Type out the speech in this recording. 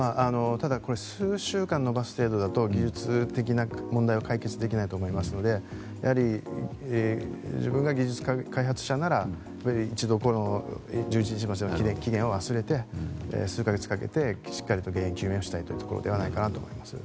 ただ、数週間延ばす程度だと、技術的な問題は解決できないと思いますのでやはり自分が技術開発者なら一度１１日までという期限を忘れて数か月かけて、しっかりと原因究明をしたいというところではないかと。